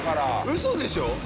嘘でしょ？